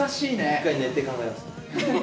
１回寝て考えます。